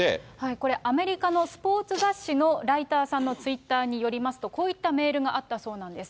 これ、アメリカのスポーツ雑誌のライターさんのツイッターによりますと、こういったメールがあったそうです。